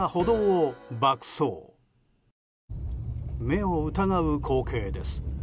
目を疑う光景です。